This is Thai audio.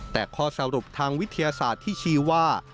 แต่ข้อสรุปทางวิทยาศาสตร์ที่ชี้ว่า